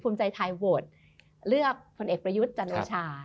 ภูมิใจไทยโหวตเลือกพลเอกประยุทธ์จันโอชา